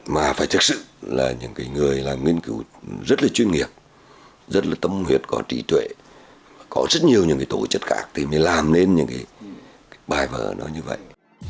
mà phải thực sự là những người làm nghiên cứu rất là chuyên nghiệp rất là tâm huyệt có trí tuệ có rất nhiều những tổ chất khác thì mới làm nên những bài vở nó như vậy